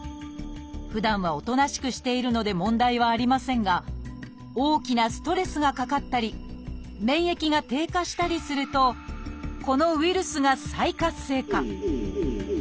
ふだんはおとなしくしているので問題はありませんが大きなストレスがかかったり免疫が低下したりするとこのウイルスが再活性化。